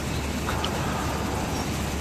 پخوانۍ قلمي نسخې په ارشیف کي دي.